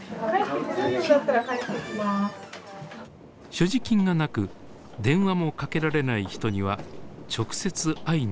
所持金がなく電話もかけられない人には直接会いに出かけます。